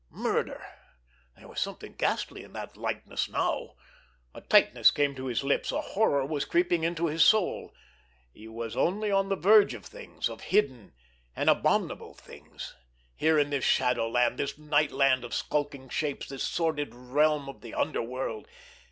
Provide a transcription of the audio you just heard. Murder! There was something ghastly in that lightness now. A tightness came to his lips, a horror was creeping into his soul. He was only on the verge of things, of hidden and abominable things, here in this shadow land, this night land of skulking shapes, this sordid realm of the underworld.